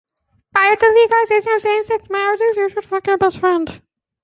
Prior to the legalisation of same-sex marriage, civil partnership was permitted.